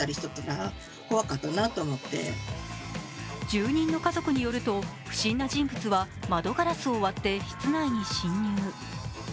住人の家族によると、不審な人物は窓ガラスを割って室内に侵入。